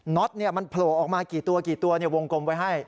น็อตเนี่ยมันโผล่ออกมากี่ตัววงกลมไว้ให้